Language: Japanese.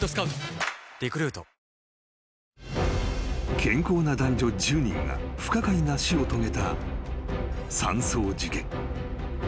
［健康な男女１０人が不可解な死を遂げた山荘事件］